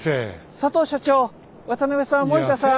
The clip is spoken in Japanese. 佐藤所長渡邊さん森田さん